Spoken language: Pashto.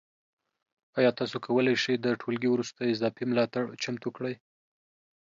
ایا تاسو کولی شئ د ټولګي وروسته اضافي ملاتړ چمتو کړئ؟